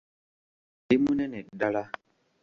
Ndi munene ddala .